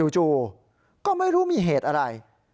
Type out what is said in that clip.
จู่ก็ไม่รู้มีเหตุอะไร